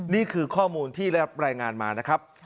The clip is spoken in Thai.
นี่คือข้อมูลที่ได้รับรายงานมานะครับ